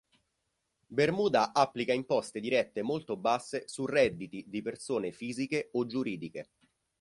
Bermuda applica imposte dirette molto basse su redditi di persone fisiche o giuridiche.